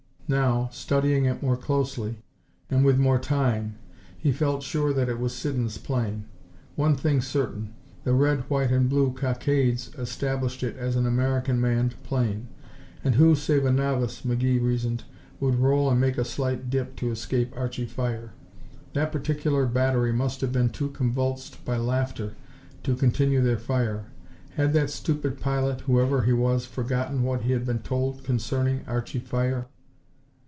Now, studying it more closely, and with more time, he felt sure that it was Siddons' plane. One thing certain, the red, white and blue cockades established it as an American manned plane, and who, save a novice, McGee reasoned, would roll and make a slight dip to escape Archie fire. That particular battery must have been too convulsed by laughter to continue their fire. Had that stupid pilot, whoever he was, forgotten what he had been told concerning Archie fire?